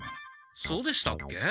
そうでしたっけ？